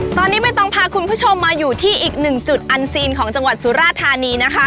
ตอนนี้ไม่ต้องพาคุณผู้ชมมาอยู่ที่อีกหนึ่งจุดอันซีนของจังหวัดสุราธานีนะคะ